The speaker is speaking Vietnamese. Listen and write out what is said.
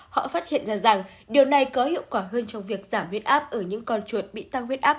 họ phát hiện ra rằng điều này có hiệu quả hơn trong việc giảm huyết áp ở những con chuột bị tăng huyết áp